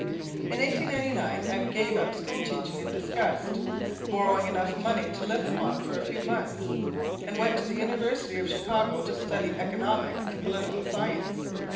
In 1899 I gave up school teaching in disgust, borrowing enough money to live upon for a few months, and went to the University of Chicago to study economics and political science.